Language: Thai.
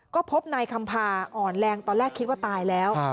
ก็พบนายคำพาอ่อนแรงตอนแรกคิดว่าตายแล้ว